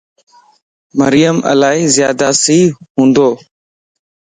مريم الائي زياداسي ھوندو